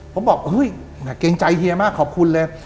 ผมบอกเกรงใจเฮียมากขอบคุณเลย